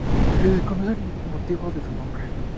Se desconoce el motivo de su nombre.